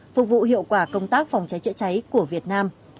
phục vụ hiệu quả công tác phòng cháy chữa cháy của việt nam